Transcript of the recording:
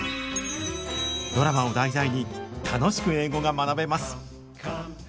ドラマを題材に楽しく英語が学べます。